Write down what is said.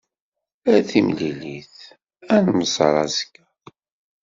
Ar timlilit. Ad nemmẓer azekka.